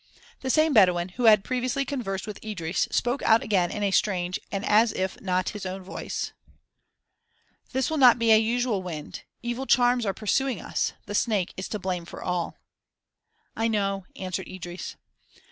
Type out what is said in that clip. The same Bedouin, who had previously conversed with Idris, spoke out again in a strange and as if not his own voice: "This will not be a usual wind. Evil charms are pursuing us. The snake is to blame for all " "I know," answered Idris.